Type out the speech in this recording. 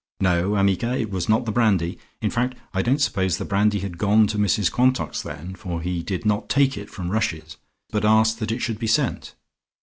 "No, amica, it was not the brandy. In fact I don't suppose the brandy had gone to Mrs Quantock's then, for he did not take it from Rush's, but asked that it should be sent...."